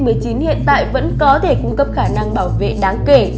vắc xin covid một mươi chín hiện tại vẫn có thể cung cấp khả năng bảo vệ đáng kể